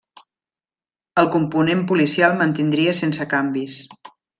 El component policial mantindria sense canvis.